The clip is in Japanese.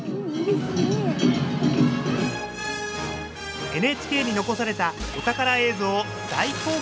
ＮＨＫに残されたお宝映像を大公開しちゃいます。